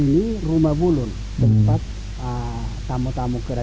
ini adalah rumah rumah adatnya